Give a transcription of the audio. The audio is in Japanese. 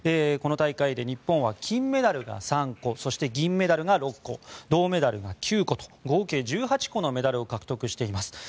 この大会で日本は金メダルが３個、銀メダルが６個銅メダルが９個と合計１８個のメダルを獲得しています。